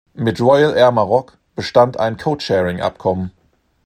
Mit Royal Air Maroc bestand ein Codesharing-Abkommen.